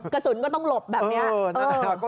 กระสุนก็ต้องหลบแบบนี้